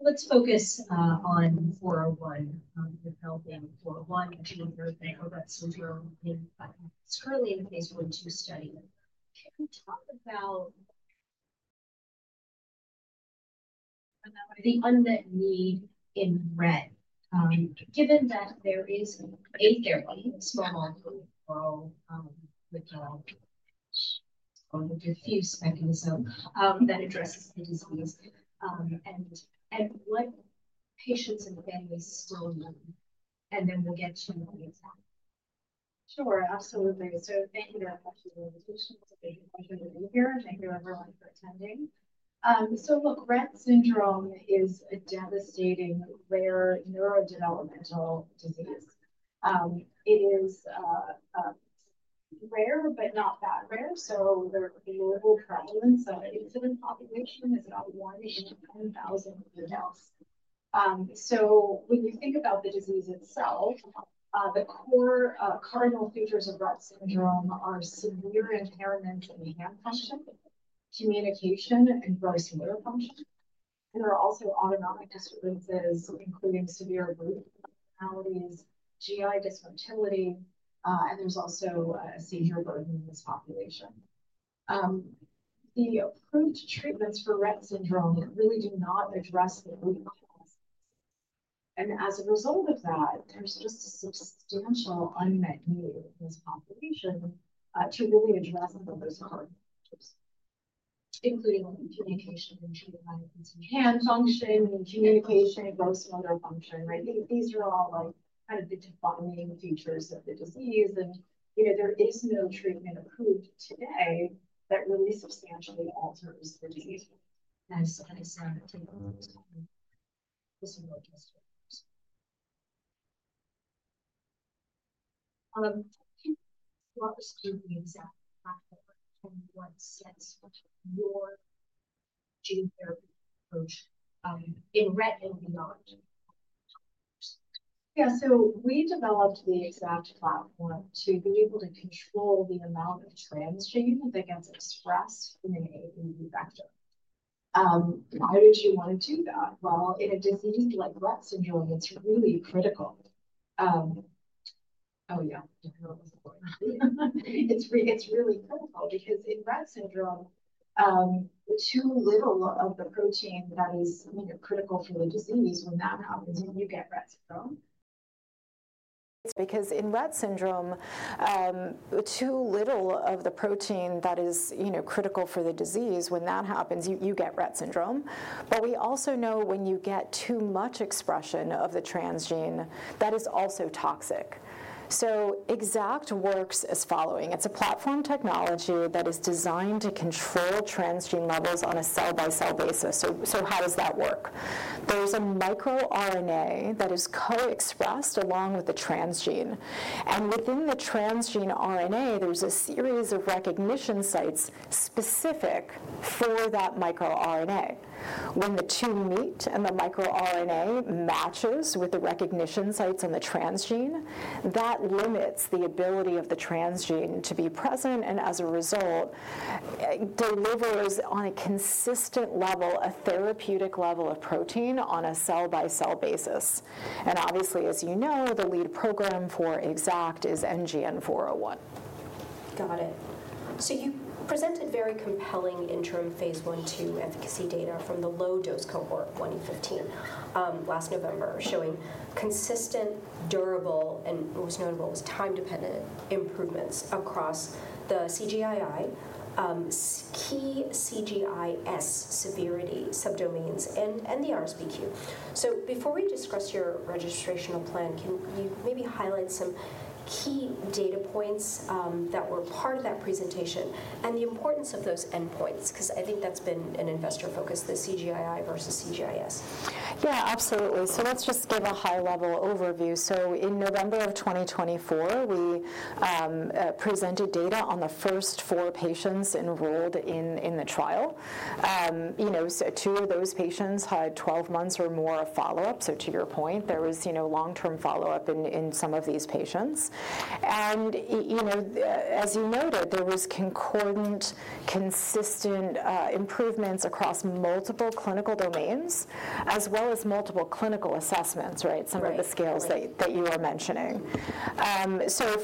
Let's focus on 401, developing 401, and gene therapy for Rett syndrome in scurrying phase I and II study. Can you talk about the unmet need in Rett, given that there is a fairly small diffuse mechanism that addresses the disease and what patients and families still need? Then we'll get to. Sure, absolutely. Thank you very much for the invitation. It's a great pleasure to be here. Thank you, everyone, for attending. Look, Rett syndrome is a devastating, rare neurodevelopmental disease. It is rare, but not that rare. The global prevalence of the incident population is about 1 in 10,000 adults. When you think about the disease itself, the core cardinal features of Rett syndrome are severe impairments in hand function, communication, and gross motor function. There are also autonomic disturbances, including severe mood abnormalities, GI dysmotility, and there's also a seizure burden in this population. The approved treatments for Rett syndrome really do not address the mood levels. As a result of that, there's just a substantial unmet need in this population to really address the most important features, including communication, hand function, and communication, gross motor function. These are all kind of the defining features of the disease. There is no treatment approved today that really substantially alters the disease. Nice. Thanks, Sarah. What was the Exact platform and what sets your gene therapy approach in Rett and beyond? Yeah. We developed the Exact platform to be able to control the amount of transgene that gets expressed in an AAV vector. Why would you want to do that? In a disease like Rett syndrome, it's really critical. Oh, yeah. It's really critical because in Rett syndrome, too little of the protein that is critical for the disease, when that happens, you get Rett syndrome. Because in Rett syndrome, too little of the protein that is critical for the disease, when that happens, you get Rett syndrome. We also know when you get too much expression of the transgene, that is also toxic. Exact works as following. It's a platform technology that is designed to control transgene levels on a cell-by-cell basis. How does that work? There is a microRNA that is co-expressed along with the transgene. Within the transgene RNA, there is a series of recognition sites specific for that microRNA. When the two meet and the microRNA matches with the recognition sites on the transgene, that limits the ability of the transgene to be present and, as a result, delivers on a consistent level, a therapeutic level of protein on a cell-by-cell basis. Obviously, as you know, the lead program for Exact is NGN-401. Got it. You presented very compelling interim phase 1, 2 efficacy data from the low-dose cohort 2015 last November showing consistent, durable, and what was notable was time-dependent improvements across the CGII, key CGIS severity subdomains, and the RSBQ. Before we discuss your registration plan, can you maybe highlight some key data points that were part of that presentation and the importance of those endpoints? I think that's been an investor focus, the CGII versus CGIS. Yeah, absolutely. Let's just give a high-level overview. In November of 2024, we presented data on the first four patients enrolled in the trial. Two of those patients had 12 months or more of follow-up. To your point, there was long-term follow-up in some of these patients. As you noted, there was concordant, consistent improvements across multiple clinical domains as well as multiple clinical assessments, right, some of the scales that you are mentioning.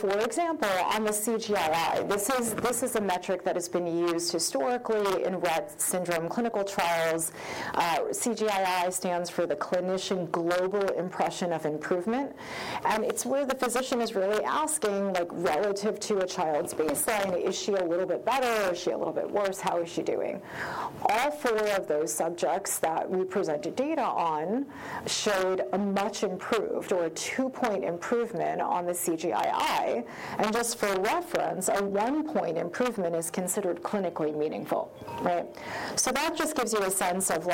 For example, on the CGII, this is a metric that has been used historically in Rett syndrome clinical trials. CGII stands for the Clinician Global Impression of Improvement. It's where the physician is really asking, relative to a child's baseline, is she a little bit better? Is she a little bit worse? How is she doing? All four of those subjects that we presented data on showed a much improved or a two-point improvement on the CGII. And just for reference, a one-point improvement is considered clinically meaningful, right? That just gives you a sense of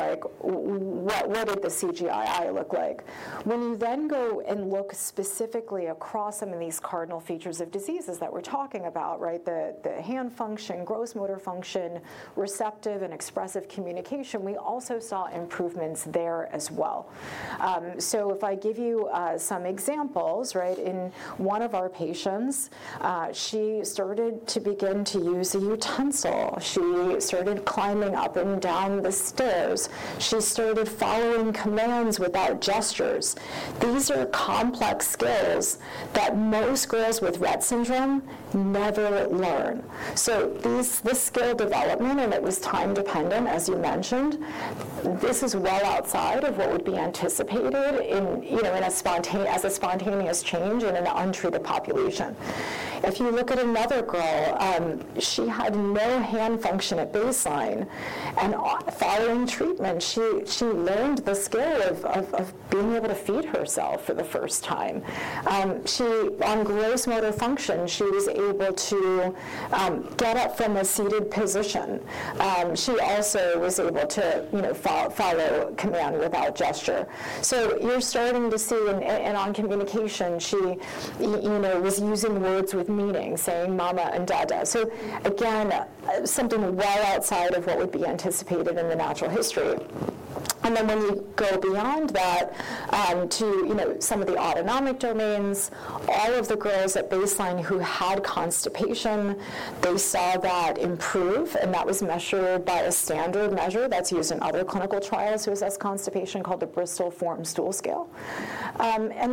what did the CGII look like. When you then go and look specifically across some of these cardinal features of diseases that we're talking about, right, the hand function, gross motor function, receptive and expressive communication, we also saw improvements there as well. If I give you some examples, right, in one of our patients, she started to begin to use a utensil. She started climbing up and down the stairs. She started following commands without gestures. These are complex skills that most girls with Rett syndrome never learn. This skill development, and it was time-dependent, as you mentioned, this is well outside of what would be anticipated as a spontaneous change in an untreated population. If you look at another girl, she had no hand function at baseline. Following treatment, she learned the skill of being able to feed herself for the first time. On gross motor function, she was able to get up from a seated position. She also was able to follow command without gesture. You are starting to see, and on communication, she was using words with meaning, saying mama and dada. Again, something well outside of what would be anticipated in the natural history. When you go beyond that to some of the autonomic domains, all of the girls at baseline who had constipation saw that improve. That was measured by a standard measure that's used in other clinical trials to assess constipation called the Bristol Stool Scale.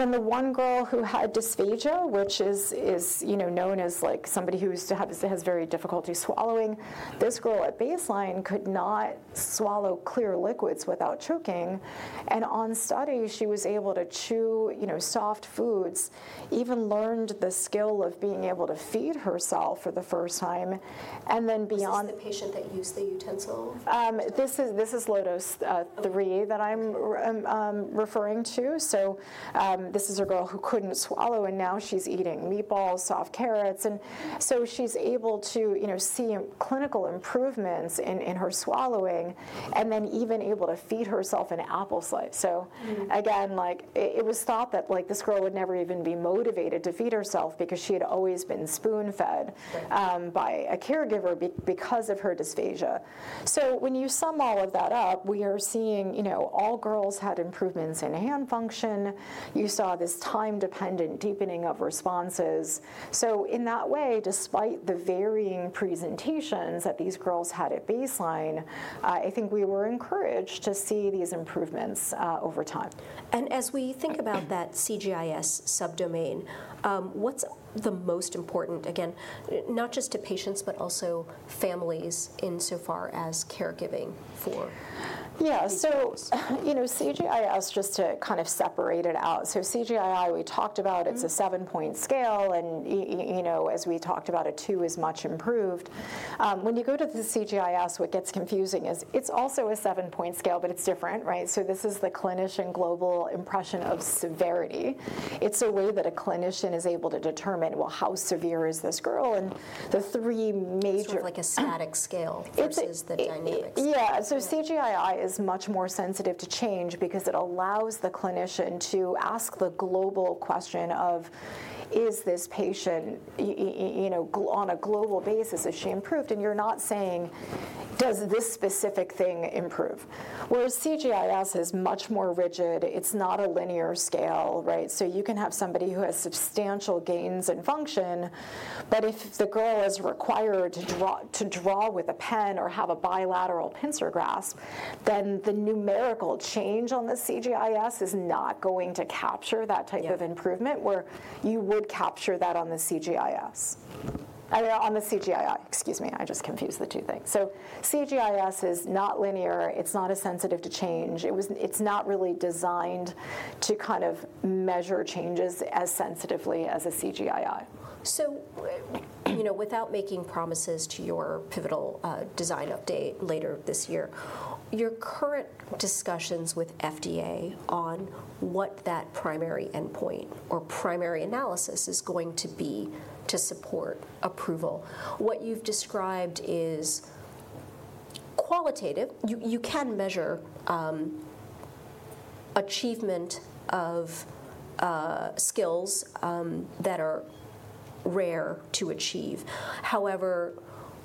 The one girl who had dysphagia, which is known as somebody who has very difficulty swallowing, this girl at baseline could not swallow clear liquids without choking. On study, she was able to chew soft foods, even learned the skill of being able to feed herself for the first time. Beyond that. Is this the patient that used the utensil? This is Lodos 3 that I'm referring to. This is a girl who couldn't swallow, and now she's eating meatballs, soft carrots. She's able to see clinical improvements in her swallowing and then even able to feed herself an apple slice. It was thought that this girl would never even be motivated to feed herself because she had always been spoon-fed by a caregiver because of her dysphagia. When you sum all of that up, we are seeing all girls had improvements in hand function. You saw this time-dependent deepening of responses. In that way, despite the varying presentations that these girls had at baseline, I think we were encouraged to see these improvements over time. As we think about that CGIS subdomain, what's the most important, again, not just to patients, but also families insofar as caregiving for? Yeah. CGIS, just to kind of separate it out, CGII, we talked about it's a seven-point scale. As we talked about it, two is much improved. When you go to the CGIS, what gets confusing is it's also a seven-point scale, but it's different, right? This is the Clinician Global Impression of Severity. It's a way that a clinician is able to determine, you know, how severe is this girl? The three major. Sort of like a static scale, versus the dynamic scale. Yeah. CGII is much more sensitive to change because it allows the clinician to ask the global question of, is this patient, on a global basis, has she improved? You're not saying, does this specific thing improve? Whereas CGIS is much more rigid. It's not a linear scale, right? You can have somebody who has substantial gains in function, but if the girl is required to draw with a pen or have a bilateral pincer grasp, then the numerical change on the CGIS is not going to capture that type of improvement where you would capture that on the CGII. Excuse me, I just confused the two things. CGIS is not linear. It's not as sensitive to change. It's not really designed to kind of measure changes as sensitively as a CGII. Without making promises to your pivotal design update later this year, your current discussions with FDA on what that primary endpoint or primary analysis is going to be to support approval, what you've described is qualitative. You can measure achievement of skills that are rare to achieve. However,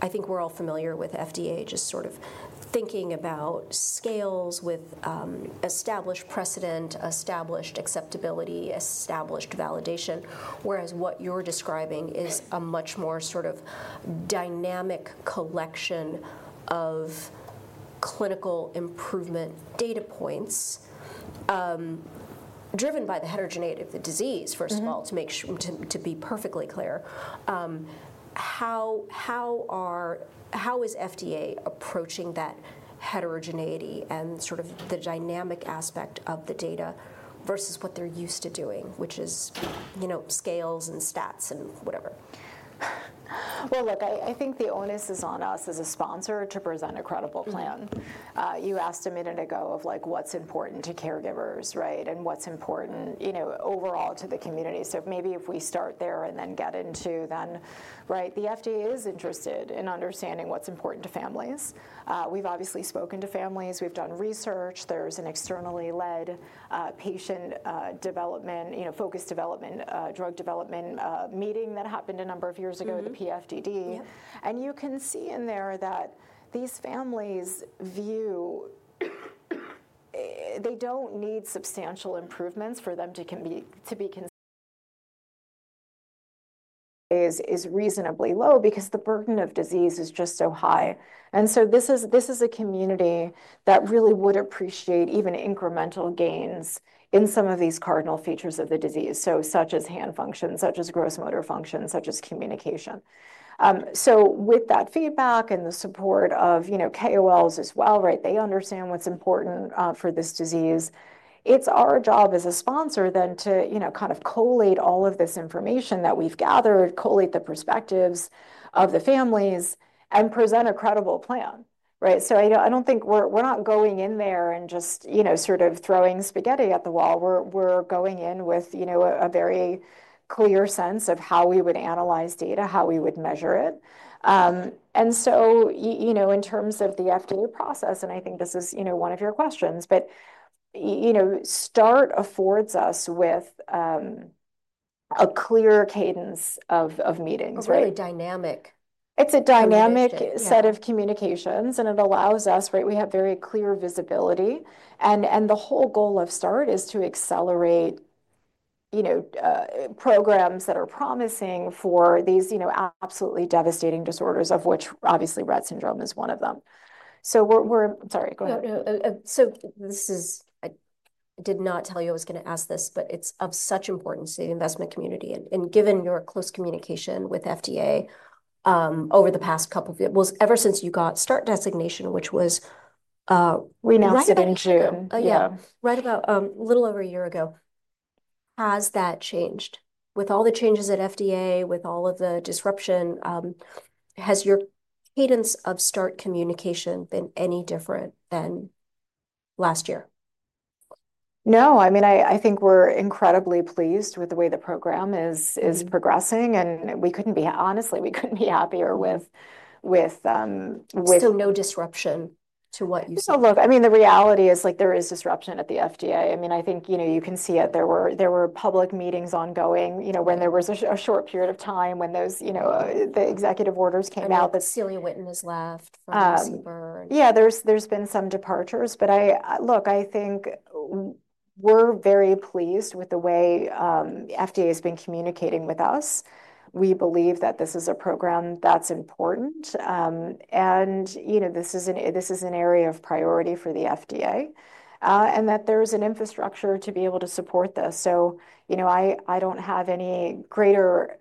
I think we're all familiar with FDA just sort of thinking about scales with established precedent, established acceptability, established validation, whereas what you're describing is a much more sort of dynamic collection of clinical improvement data points driven by the heterogeneity of the disease, first of all, to be perfectly clear. How is FDA approaching that heterogeneity and sort of the dynamic aspect of the data versus what they're used to doing, which is scales and stats and whatever? I think the onus is on us as a sponsor to present a credible plan. You asked a minute ago of what's important to caregivers, right, and what's important overall to the community. Maybe if we start there and then get into then, right, the FDA is interested in understanding what's important to families. We've obviously spoken to families. We've done research. There's an externally-led patient focused drug development meeting that happened a number of years ago at the PFDD. You can see in there that these families view they don't need substantial improvements for them to be. Is reasonably low because the burden of disease is just so high. This is a community that really would appreciate even incremental gains in some of these cardinal features of the disease, such as hand function, such as gross motor function, such as communication. With that feedback and the support of KOLs as well, right, they understand what's important for this disease. It's our job as a sponsor then to kind of collate all of this information that we've gathered, collate the perspectives of the families, and present a credible plan, right? I don't think we're not going in there and just sort of throwing spaghetti at the wall. We're going in with a very clear sense of how we would analyze data, how we would measure it. In terms of the FDA process, and I think this is one of your questions, but START affords us with a clear cadence of meetings, right? A really dynamic. It's a dynamic set of communications, and it allows us, right, we have very clear visibility. The whole goal of START is to accelerate programs that are promising for these absolutely devastating disorders, of which obviously Rett syndrome is one of them. We're sorry, go ahead. This is I did not tell you I was going to ask this, but it's of such importance to the investment community. Given your close communication with FDA over the past couple of years, ever since you got START designation, which was. We announced it in June. Yeah, right about a little over a year ago. Has that changed? With all the changes at FDA, with all of the disruption, has your cadence of START communication been any different than last year? No. I mean, I think we're incredibly pleased with the way the program is progressing. Honestly, we couldn't be happier with. Still no disruption to what you said. Look, I mean, the reality is there is disruption at the FDA. I mean, I think you can see it. There were public meetings ongoing when there was a short period of time when the executive orders came out. Right. Celia Witten has left. Yeah, there's been some departures. Look, I think we're very pleased with the way FDA has been communicating with us. We believe that this is a program that's important. This is an area of priority for the FDA and that there is an infrastructure to be able to support this. I don't have any greater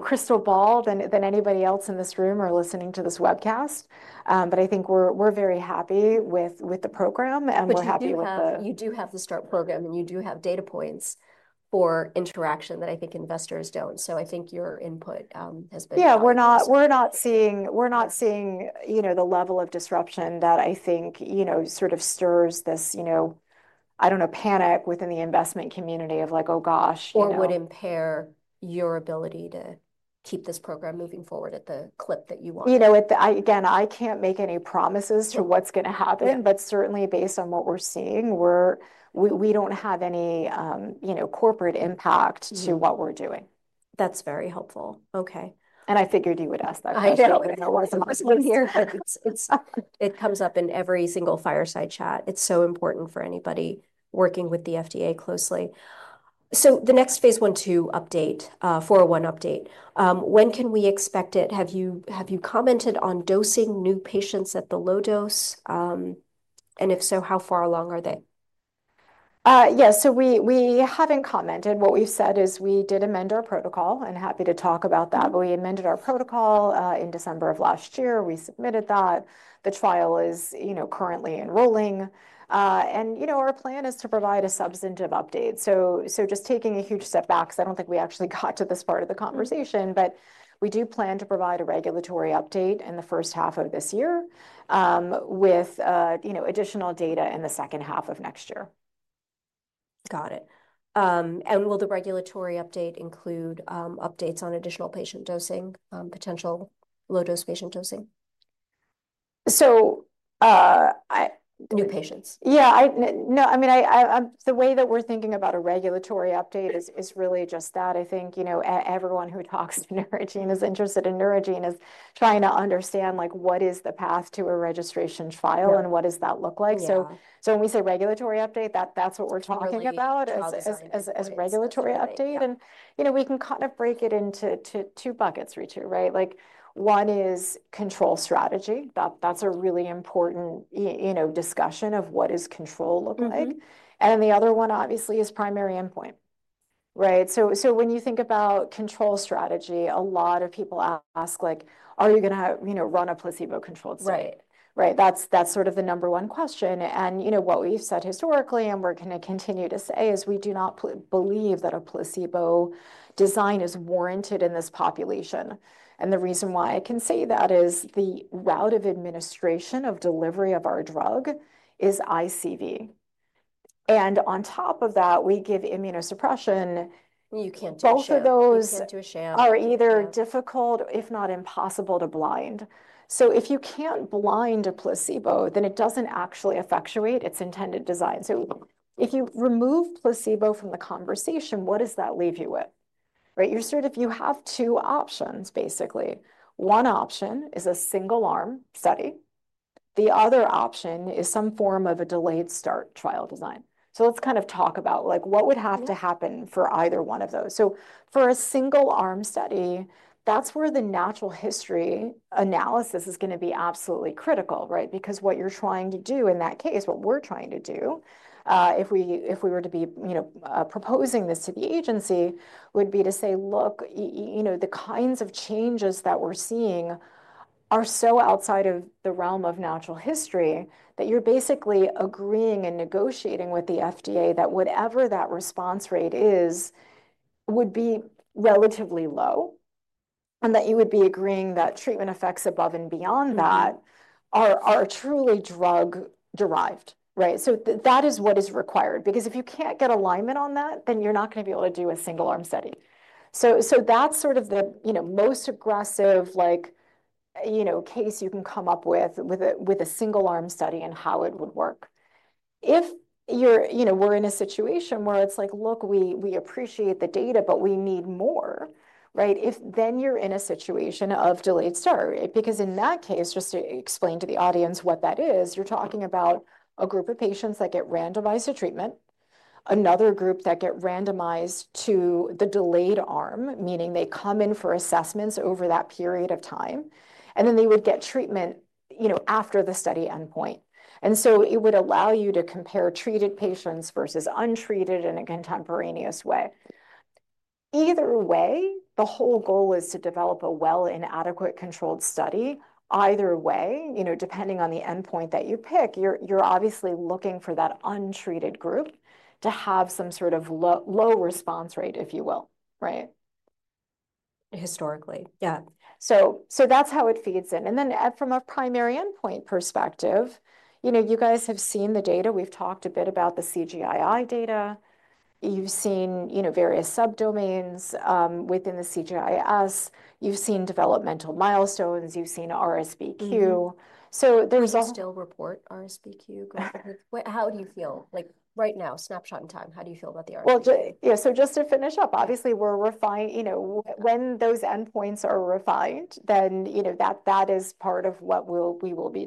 crystal ball than anybody else in this room or listening to this webcast. I think we're very happy with the program and we're happy with the. You do have the START program, and you do have data points for interaction that I think investors don't. I think your input has been helpful. Yeah, we're not seeing the level of disruption that I think sort of stirs this, I don't know, panic within the investment community of like, "Oh, gosh. Or would impair your ability to keep this program moving forward at the clip that you want. Again, I can't make any promises to what's going to happen, but certainly based on what we're seeing, we don't have any corporate impact to what we're doing. That's very helpful. Okay. I figured you would ask that question. I did. I wasn't here. It comes up in every single fireside chat. It's so important for anybody working with the FDA closely. The next phase one two update, 401 update, when can we expect it? Have you commented on dosing new patients at the low dose? And if so, how far along are they? Yeah. We haven't commented. What we've said is we did amend our protocol. I'm happy to talk about that. We amended our protocol in December of last year. We submitted that. The trial is currently enrolling. Our plan is to provide a substantive update. Just taking a huge step back because I don't think we actually got to this part of the conversation, we do plan to provide a regulatory update in the first half of this year with additional data in the second half of next year. Got it. Will the regulatory update include updates on additional patient dosing, potential low-dose patient dosing? So. New patients. Yeah. No, I mean, the way that we're thinking about a regulatory update is really just that. I think everyone who talks to Neurogene is interested in Neurogene is trying to understand what is the path to a registration trial and what does that look like. When we say regulatory update, that's what we're talking about as regulatory update. We can kind of break it into two buckets, Rachel, right? One is control strategy. That's a really important discussion of what does control look like. The other one, obviously, is primary endpoint, right? When you think about control strategy, a lot of people ask, "Are you going to run a placebo-controlled site?" Right? That's sort of the number one question. What we've said historically and we're going to continue to say is we do not believe that a placebo design is warranted in this population. The reason why I can say that is the route of administration of delivery of our drug is ICV. On top of that, we give immunosuppression. You can't change that. Both of those. You can't change to a sham. Are either difficult, if not impossible, to blind. If you can't blind a placebo, then it doesn't actually effectuate its intended design. If you remove placebo from the conversation, what does that leave you with, right? You have two options, basically. One option is a single-arm study. The other option is some form of a delayed start trial design. Let's kind of talk about what would have to happen for either one of those. For a single-arm study, that's where the natural history analysis is going to be absolutely critical, right? Because what you're trying to do in that case, what we're trying to do, if we were to be proposing this to the agency, would be to say, "Look, the kinds of changes that we're seeing are so outside of the realm of natural history that you're basically agreeing and negotiating with the FDA that whatever that response rate is would be relatively low and that you would be agreeing that treatment effects above and beyond that are truly drug-derived, right?" That is what is required. Because if you can't get alignment on that, then you're not going to be able to do a single-arm study. That is sort of the most aggressive case you can come up with a single-arm study and how it would work. If we're in a situation where it's like, "Look, we appreciate the data, but we need more," right? You are in a situation of delayed start. Because in that case, just to explain to the audience what that is, you're talking about a group of patients that get randomized to treatment, another group that gets randomized to the delayed arm, meaning they come in for assessments over that period of time, and then they would get treatment after the study endpoint. It would allow you to compare treated patients versus untreated in a contemporaneous way. Either way, the whole goal is to develop a well and adequate controlled study. Either way, depending on the endpoint that you pick, you're obviously looking for that untreated group to have some sort of low response rate, if you will, right? Historically, yeah. That's how it feeds in. Then from a primary endpoint perspective, you guys have seen the data. We've talked a bit about the CGII data. You've seen various subdomains within the CGIS. You've seen developmental milestones. You've seen RSBQ. There's also. Do you still report RSBQ? How do you feel? Right now, snapshot in time, how do you feel about the RSBQ? Yeah. Just to finish up, obviously, when those endpoints are refined, then that is part of what we will be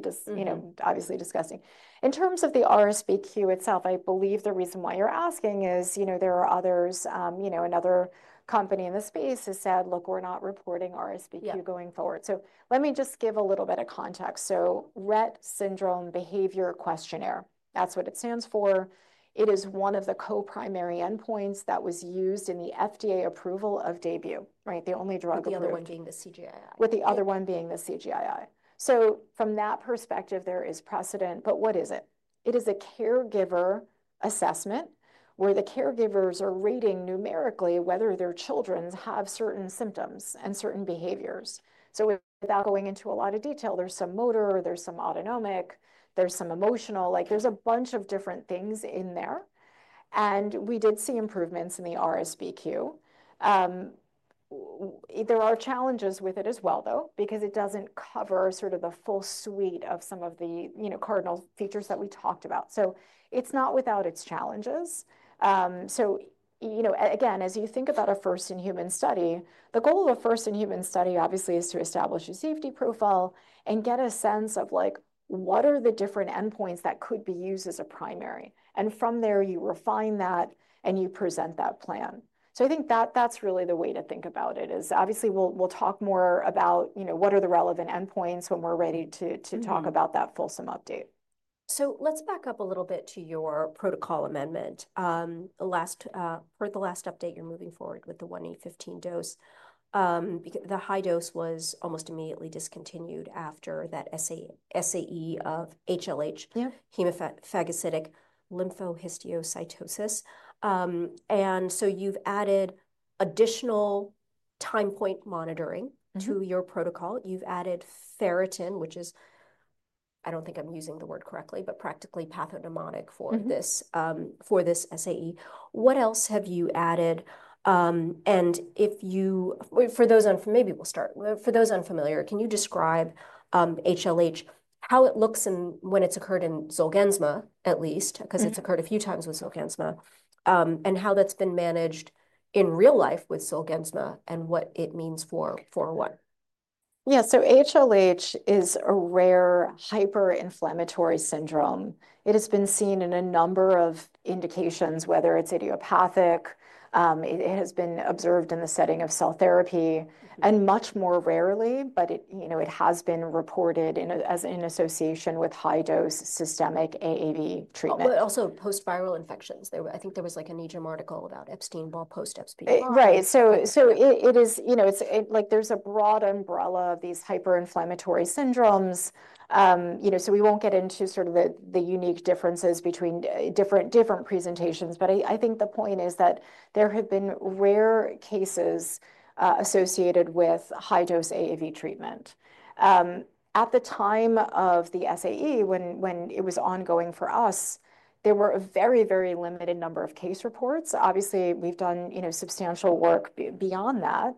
obviously discussing. In terms of the RSBQ itself, I believe the reason why you're asking is there are others. Another company in the space has said, "Look, we're not reporting RSBQ going forward." Let me just give a little bit of context. Rett Syndrome Behaviour Questionnaire, that's what it stands for. It is one of the co-primary endpoints that was used in the FDA approval of Daybue, right? The only drug of the. The other one being the CGII. With the other one being the CGII. From that perspective, there is precedent. What is it? It is a caregiver assessment where the caregivers are rating numerically whether their children have certain symptoms and certain behaviors. Without going into a lot of detail, there's some motor, there's some autonomic, there's some emotional. There's a bunch of different things in there. We did see improvements in the RSBQ. There are challenges with it as well, though, because it doesn't cover sort of the full suite of some of the cardinal features that we talked about. It's not without its challenges. Again, as you think about a first-in-human study, the goal of a first-in-human study, obviously, is to establish a safety profile and get a sense of what are the different endpoints that could be used as a primary. From there, you refine that and you present that plan. I think that's really the way to think about it. Obviously, we'll talk more about what are the relevant endpoints when we're ready to talk about that fulsome update. Let's back up a little bit to your protocol amendment. For the last update, you're moving forward with the 1E15 dose. The high dose was almost immediately discontinued after that SAE of HLH, hemophagocytic lymphohistiocytosis. You have added additional time point monitoring to your protocol. You have added ferritin, which is, I don't think I'm using the word correctly, but practically pathognomonic for this SAE. What else have you added? For those unfamiliar, maybe we'll start. For those unfamiliar, can you describe HLH, how it looks when it's occurred in Zolgensma, at least, because it's occurred a few times with Zolgensma, and how that's been managed in real life with Zolgensma and what it means for 401? Yeah. HLH is a rare hyperinflammatory syndrome. It has been seen in a number of indications, whether it's idiopathic. It has been observed in the setting of cell therapy and much more rarely, but it has been reported in association with high-dose systemic AAV treatment. Also post-viral infections. I think there was a NEJM article about Epstein-Barr post-Epstein-Barr. Right. There is a broad umbrella of these hyperinflammatory syndromes. We will not get into the unique differences between different presentations. I think the point is that there have been rare cases associated with high-dose AAV treatment. At the time of the SAE, when it was ongoing for us, there were a very, very limited number of case reports. Obviously, we have done substantial work beyond that.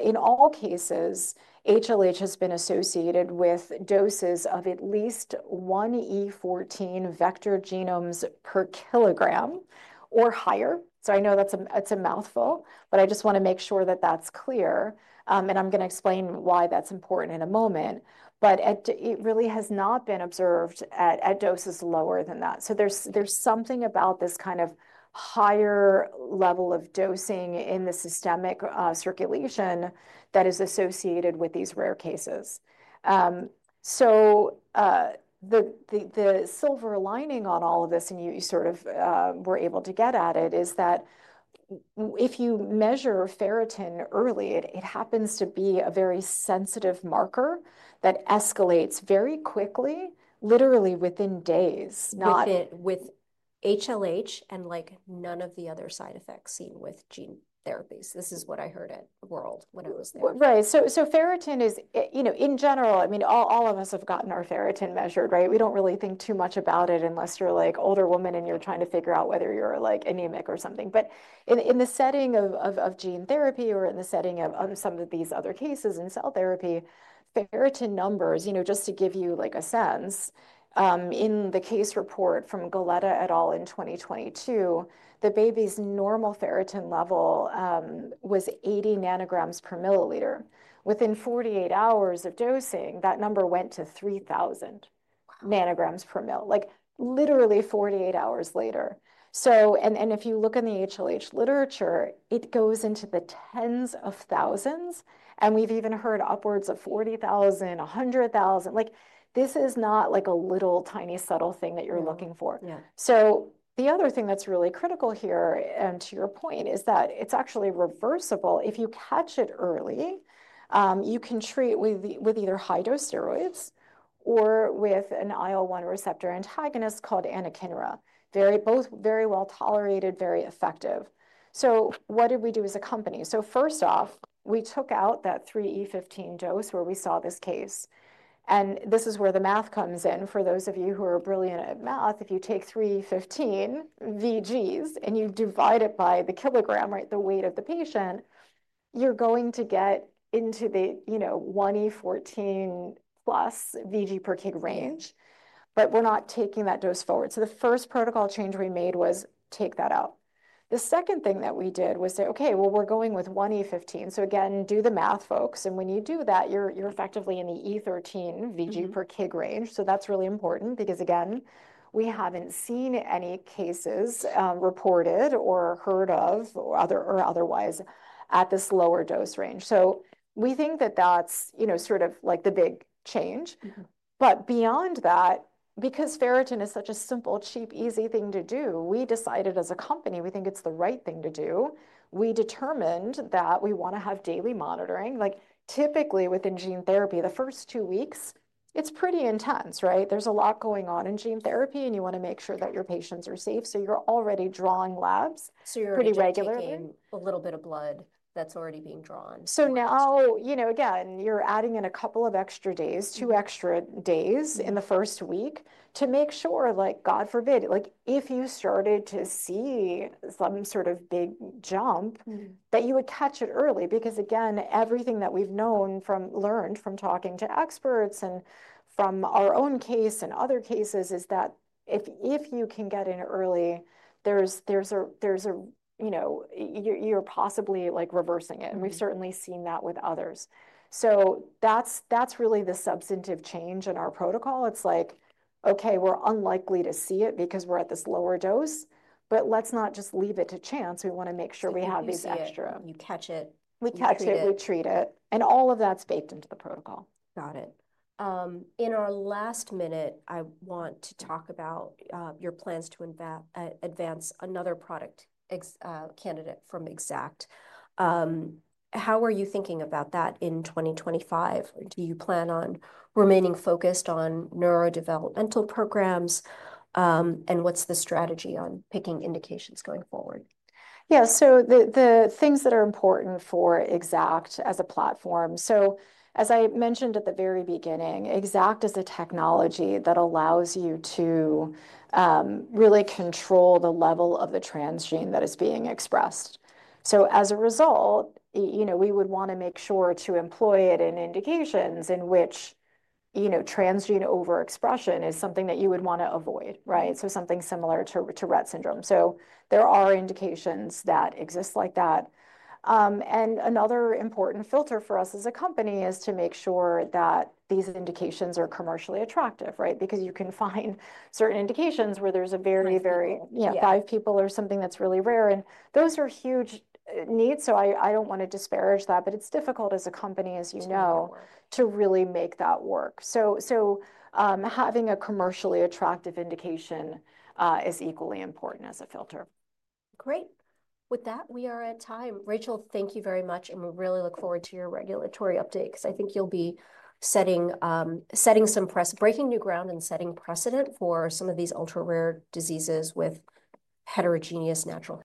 In all cases, HLH has been associated with doses of at least 1E14 vector genomes per kilogram or higher. I know that is a mouthful, but I just want to make sure that is clear. I am going to explain why that is important in a moment. It really has not been observed at doses lower than that. There is something about this kind of higher level of dosing in the systemic circulation that is associated with these rare cases. The silver lining on all of this, and you sort of were able to get at it, is that if you measure ferritin early, it happens to be a very sensitive marker that escalates very quickly, literally within days. With HLH and none of the other side effects seen with gene therapies. This is what I heard at World when I was there. Right. So ferritin is, in general, I mean, all of us have gotten our ferritin measured, right? We do not really think too much about it unless you are an older woman and you are trying to figure out whether you are anemic or something. In the setting of gene therapy or in the setting of some of these other cases in cell therapy, ferritin numbers, just to give you a sense, in the case report from Galletta et al. in 2022, the baby's normal ferritin level was 80 nanograms per milliliter. Within 48 hours of dosing, that number went to 3,000 nanograms per ml, literally 48 hours later. If you look in the HLH literature, it goes into the tens of thousands. We have even heard upwards of 40,000, 100,000. This is not a little tiny subtle thing that you are looking for. The other thing that's really critical here, and to your point, is that it's actually reversible. If you catch it early, you can treat with either high-dose steroids or with an IL-1 receptor antagonist called anakinra, both very well tolerated, very effective. What did we do as a company? First off, we took out that 3E15 dose where we saw this case. This is where the math comes in. For those of you who are brilliant at math, if you take 3E15 VGs and you divide it by the kilogram, the weight of the patient, you're going to get into the 1E14 plus VG per kg range. We're not taking that dose forward. The first protocol change we made was take that out. The second thing that we did was say, "Okay, we're going with 1E15." Again, do the math, folks. When you do that, you're effectively in the E13 VG per kg range. That is really important because, again, we haven't seen any cases reported or heard of or otherwise at this lower dose range. We think that is sort of the big change. Beyond that, because ferritin is such a simple, cheap, easy thing to do, we decided as a company we think it's the right thing to do. We determined that we want to have daily monitoring. Typically, within gene therapy, the first two weeks, it's pretty intense, right? There is a lot going on in gene therapy, and you want to make sure that your patients are safe. You're already drawing labs pretty regularly. You're expecting a little bit of blood that's already being drawn. Now, again, you're adding in a couple of extra days, two extra days in the first week to make sure, God forbid, if you started to see some sort of big jump, that you would catch it early. Because, again, everything that we've learned from talking to experts and from our own case and other cases is that if you can get in early, you're possibly reversing it. And we've certainly seen that with others. That's really the substantive change in our protocol. It's like, "Okay, we're unlikely to see it because we're at this lower dose. But let's not just leave it to chance. We want to make sure we have these extra. You catch it. We catch it. We treat it. All of that's baked into the protocol. Got it. In our last minute, I want to talk about your plans to advance another product candidate from Exact. How are you thinking about that in 2025? Do you plan on remaining focused on neurodevelopmental programs? What's the strategy on picking indications going forward? Yeah. The things that are important for Exact as a platform, as I mentioned at the very beginning, Exact is a technology that allows you to really control the level of the transgene that is being expressed. As a result, we would want to make sure to employ it in indications in which transgene overexpression is something that you would want to avoid, right? Something similar to Rett syndrome. There are indications that exist like that. Another important filter for us as a company is to make sure that these indications are commercially attractive, right? Because you can find certain indications where there's a very, very five people or something that's really rare. Those are huge needs. I don't want to disparage that. It's difficult as a company, as you know, to really make that work. Having a commercially attractive indication is equally important as a filter. Great. With that, we are at time. Rachel, thank you very much. We really look forward to your regulatory update because I think you'll be setting some breaking new ground and setting precedent for some of these ultra-rare diseases with heterogeneous natural.